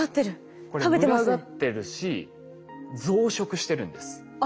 これ群がってるし増殖してるんです。